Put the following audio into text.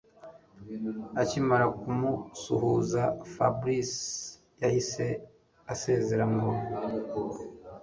akimara kumusuhuza Fabric yahise asezera ngo